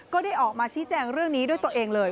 ก็ได้ออกมาชี้แจงเรื่องนี้ด้วยตัวเองเลย